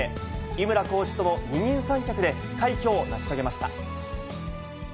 井村コーチとの二人三脚で快挙を成し遂げました。